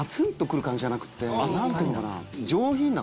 何ていうのかな